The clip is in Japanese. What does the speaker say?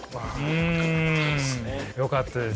うんよかったです。